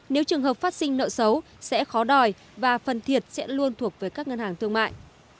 nếu trường hợp phát sinh nợ xấu sẽ khó đòi và phần thiệt sẽ luôn thuộc về các ngân hàng thương mại